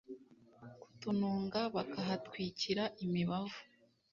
ku tununga bakahatwikira imibavu,